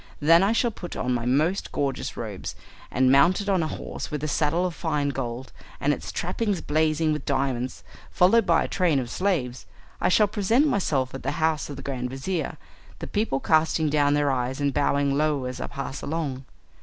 Then I shall put on my most gorgeous robes, and mounted on a horse with a saddle of fine gold, and its trappings blazing with diamonds, followed by a train of slaves, I shall present myself at the house of the grand vizir, the people casting down their eyes and bowing low as I pass along.